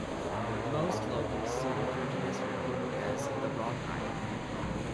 Most locals still refer to this railroad as the "Rock Island".